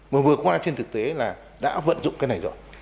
mà vừa qua trên thực tế là đã vận dụng cái này rồi